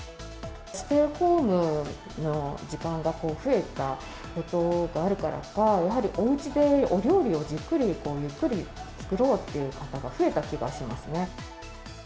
ステイホームの時間が増えたことがあるからか、やはりおうちでお料理をじっくりゆっくり作ろうという方が増えた気がしますね。